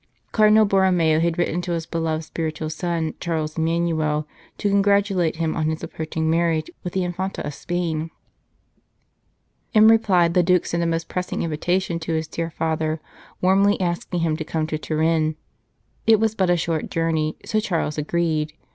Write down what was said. Cardinal Borromeo had written to his beloved spiritual son, Charles Emmanuel, to congratulate him on his approaching marriage with the Infanta of Spain. In reply, the Duke sent a most pressing invitation to his dear Father, warmly asking him to come to Turin. It was but a short journey, so Charles agreed.